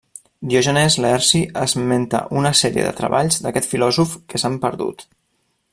Diògenes Laerci esmenta una sèrie de treballs d'aquest filòsof que s'han perdut.